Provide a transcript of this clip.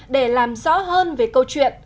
để làm rõ hơn về câu chuyện